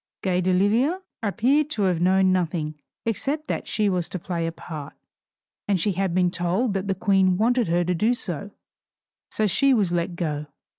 Gay d'Oliva appeared to have known nothing except that she was to play a part, and she had been told that the Queen wanted her to do so, so she was let go.